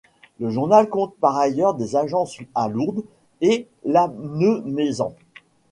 Le journal compte par ailleurs des agences à Lourdes et Lannemezan.